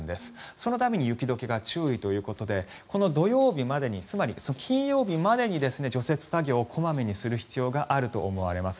そのために雪解けが注意ということでこの土曜日つまり、金曜日までに除雪作業を小まめにする必要があると思われます。